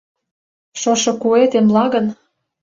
Шошо куэ темла гын